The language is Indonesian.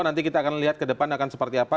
nanti kita akan lihat ke depan akan seperti apa